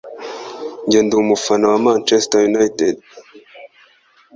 Njye ndi umufana wa Manchester united